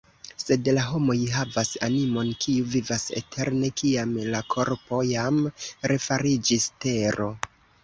Sed la homoj havas animon, kiu vivas eterne, kiam la korpo jam refariĝis tero.